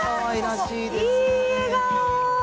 いい笑顔。